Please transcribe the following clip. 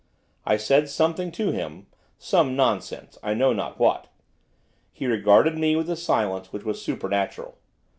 I said something to him, some nonsense, I know not what. He regarded me with a silence which was supernatural.